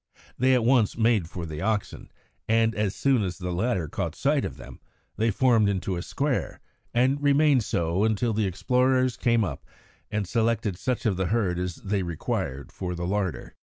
They at once made for the oxen, and, as soon as the latter caught sight of them, they formed into a square and remained so until the explorers came up and selected such of the herd as they required for the larder.